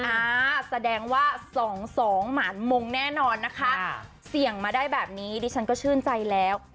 อ่าแสดงว่า๒๒หมานมงแน่นอนนะคะเสี่ยงมาได้แบบนี้ดิฉันก็ชื่นใจแล้ว